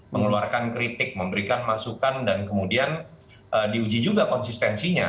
mengeluarkan kritik memberikan masukan dan kemudian diuji juga konsistensinya